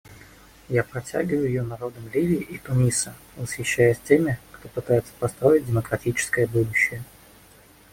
Я протягиваю ее народам Ливии и Туниса, восхищаясь теми, кто пытается построить демократическое будущее.